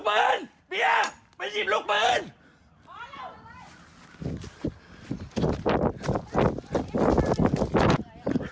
นี่ฝั่งของผู้เสียหายนะฮะถ่ายคลิปไปด้วยวิ่งหนีไปด้วยนี่บอก